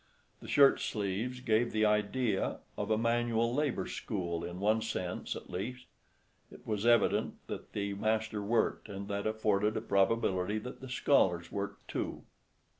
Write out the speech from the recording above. The shirt sleeves gave the idea of a manual labor school in one sense at least. It was evident that the master worked, and that afforded a probability that the scholars worked too.